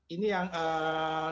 ini yang penting